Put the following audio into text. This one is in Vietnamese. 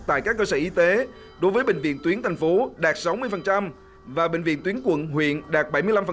tại các cơ sở y tế đối với bệnh viện tuyến thành phố đạt sáu mươi và bệnh viện tuyến quận huyện đạt bảy mươi năm